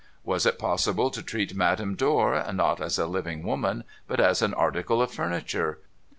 Was it possible to treat Madame Dor, not as a living woman, but as an article of furniture?